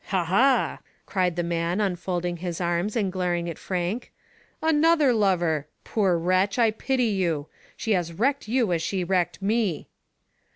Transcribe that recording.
"Ha! ha! cried the man, unfolding his arms, and glaring at Frank. Another lover! Poor wretch, I pity you. She has wrecked you as she wrecked me."